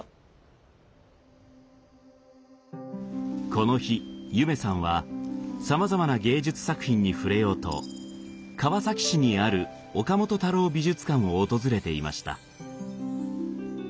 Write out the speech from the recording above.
この日夢さんはさまざまな芸術作品に触れようと川崎市にある岡本太郎美術館を訪れていました。